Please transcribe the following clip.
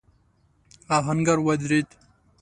آهنګر ودرېد.